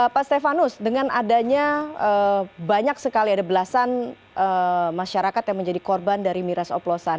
pak stefanus dengan adanya banyak sekali ada belasan masyarakat yang menjadi korban dari miras oplosan